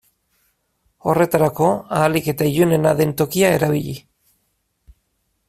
Horretarako ahalik eta ilunena den tokia erabili.